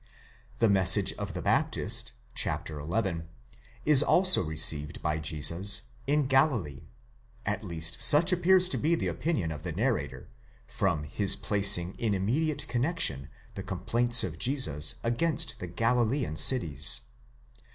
The message of the Baptist (chap. xi.) is also received by Jesus in Galilee, at least such appears to be the opinion of the narrator, from his placing in immediate connexion the complaints of Jesus against the Galilean cities.